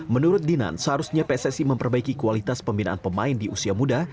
menurut dinan seharusnya pssi memperbaiki kualitas pembinaan pemain di usia muda